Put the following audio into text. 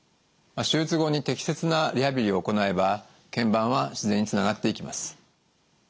手術後に適切なリハビリを行えば腱板は自然につながっていきます。